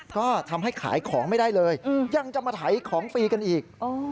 ก็ทำให้ขายของไม่ได้เลยยังจะมาไถของฟรีกันอีก